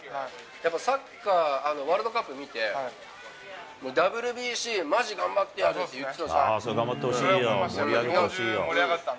やっぱサッカーワールドカップ見て、ＷＢＣまじ頑張ってやるって、言ってたじゃん。